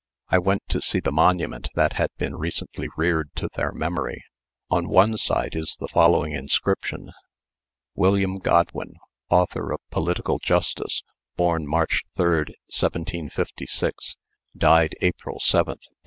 I went to see the monument that had been recently reared to their memory. On one side is the following inscription: "William Godwin, author of 'Political Justice,' born March 3rd, 1756, died April 7th, 1836.